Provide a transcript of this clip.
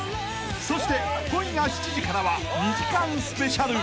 ［そして今夜７時からは２時間スペシャル］